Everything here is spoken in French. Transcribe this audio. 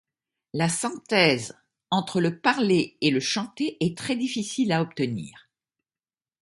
La synthèse entre le parlé et le chanté est très difficile à obtenir.